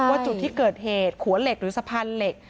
จุดที่เกิดเหตุขัวเหล็กหรือสะพานเหล็ก